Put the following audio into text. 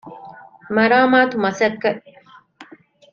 މަރާމާތު މަސައްކަތް